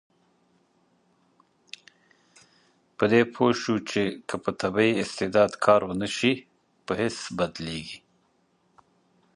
په دې پوه شو چې که په طبیعي استعداد کار ونشي، په هېڅ بدلیږي.